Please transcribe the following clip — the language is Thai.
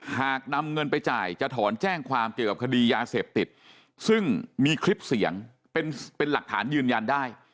หากนำเงินไปจ่ายจะถอนแจ้งความเกี่ยวกับคดียาเสพติดซึ่งมีคลิปเสียงเป็นหลักฐานยืนยันได้